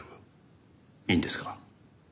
いいんですか？